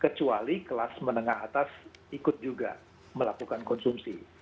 kecuali kelas menengah atas ikut juga melakukan konsumsi